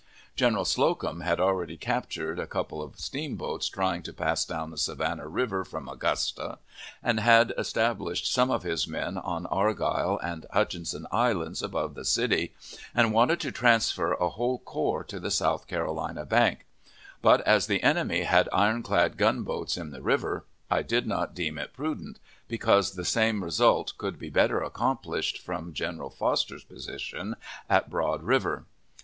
General Slocum had already captured a couple of steamboats trying to pass down the Savannah River from Augusta, and had established some of his men on Argyle and Hutchinson Islands above the city, and wanted to transfer a whole corps to the South Carolina bank; but, as the enemy had iron clad gunboats in the river, I did not deem it prudent, because the same result could be better accomplished from General Fosters position at Broad River.